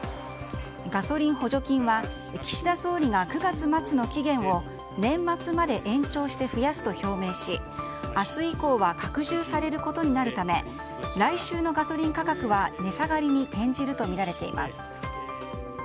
ガソリン補助金は岸田総理が９月末の期限を年末まで延長して増やすと表明し明日以降は拡充されることになるため来週のガソリン価格は値下がりに転じるとみられています。